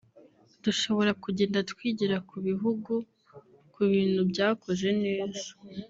Dushobora kugenda twigira ku bihugu ku bintu byakoze neza